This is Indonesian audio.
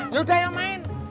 yaudah yuk main